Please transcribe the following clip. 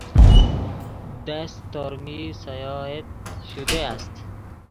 دیسک ترمز ساییده شده است.